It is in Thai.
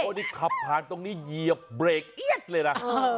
นี่ขับผ่านตรงนี้เหยียบเบรกเอี๊ยดเลยนะ